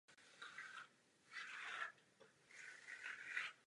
Rozmnožuje se hlavně semeny a jen omezeně rozrůstáním oddenků.